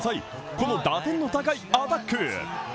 この打点の高いアタック。